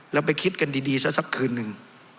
แล้วไปคิดกันดีซะสักคืนนึง